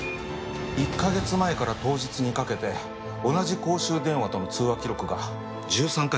１カ月前から当日にかけて同じ公衆電話との通話記録が１３回ありました。